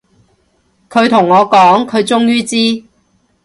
佢同我講，佢終於知